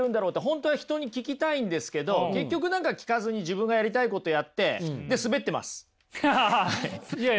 本当は人に聞きたいんですけど結局何か聞かずに自分がやりたいことやってハハハ！